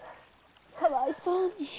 かわいそうに。